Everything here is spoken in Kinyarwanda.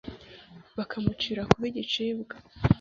bakamucira kuba igicibwa